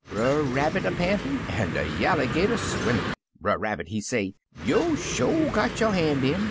Brer Rabbit a pantin', an' de Yalligater swimmin'; Brer Rabbit he say, " Yo' sho got yo' han' in.